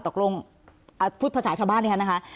ตกลงพูดภาษาชาวบ้านนะคะ